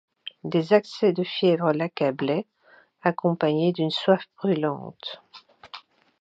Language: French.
Des accès de fièvre l’accablaient, accompagnés d’une soif brûlante.